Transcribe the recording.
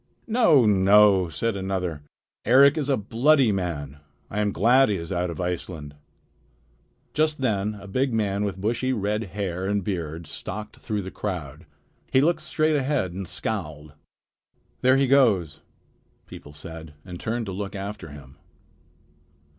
"No, no!" said another. "Eric is a bloody man. I am glad he is out of Iceland." Just then a big man with bushy red hair and beard stalked through the crowd. He looked straight ahead and scowled. "There he goes," people said, and turned to look after him.